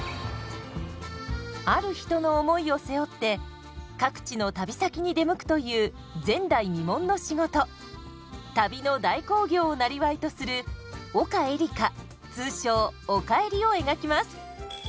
ある人の思いを背負って各地の旅先に出向くという前代未聞の仕事旅の代行業をなりわいとする丘えりか通称おかえりを描きます。